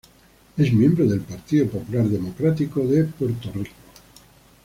Es Miembro del Partido Popular Democrático de Puerto Rico.